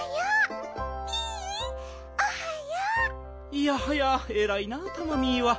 いやはやえらいなタマミーは。